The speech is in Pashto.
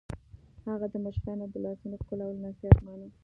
هغه د مشرانو د لاسونو ښکلولو نصیحت مانه